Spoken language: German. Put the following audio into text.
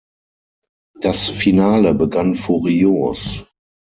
Das Finale begann furios.